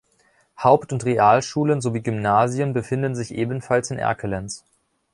Haupt- und Realschulen sowie Gymnasien befinden sich ebenfalls in Erkelenz.